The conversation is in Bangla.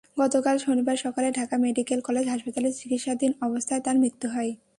গতকাল শনিবার সকালে ঢাকা মেডিকেল কলেজ হাসপাতালে চিকিৎসাধীন অবস্থায় তাঁর মৃত্যু হয়।